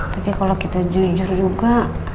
tapi kalau kita jujur juga